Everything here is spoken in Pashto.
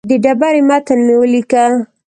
د ډبرې متن مې ولیکه.